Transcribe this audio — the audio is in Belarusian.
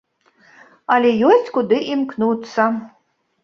Але ёсць куды імкнуцца.